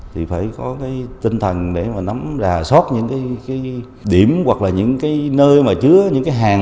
thì phải có cái tinh thần để mà nắm rà sót những cái điểm hoặc là những cái nơi mà chứa những cái hàng